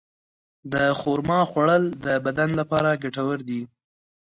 د خرما خوړل د بدن لپاره ګټور دي.